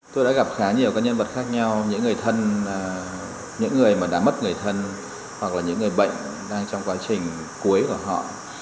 tôi đã gặp khá nhiều các nhân vật khác nhau những người thân những người mà đã mất người thân hoặc là những người bệnh đang trong quá trình cuối của họ